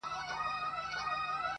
• پټ په لار کي د ملیار یو ګوندي راسي -